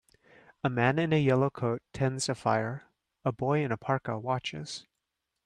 A man in a yellow coat tends a fire, a boy in a parka watches.